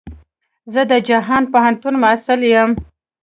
زه د جهان پوهنتون محصل يم.